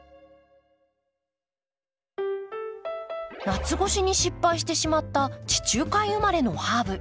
夏越しに失敗してしまった地中海生まれのハーブ。